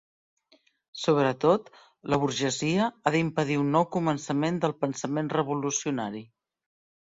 Sobretot, la burgesia ha d'impedir un nou començament del pensament revolucionari.